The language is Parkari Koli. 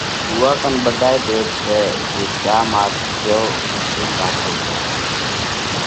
اُوئا ڪنَ ٻڌوئي ڀيۮ سئہ، جي ڪيا ماڳ ڪيو شيمونَ راکل سئہ